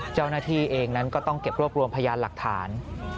เจ้าหน้าที่เองนั้นก็ต้องเก็บรวบรวมพยานหลักฐาน